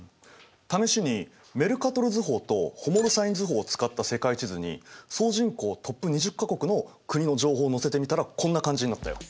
試しにメルカトル図法とホモロサイン図法を使った世界地図に総人口トップ２０か国の国の情報を載せてみたらこんな感じになったよ。